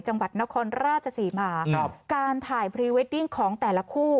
จังหวัดนครราชศรีมาครับการถ่ายพรีเวดดิ้งของแต่ละคู่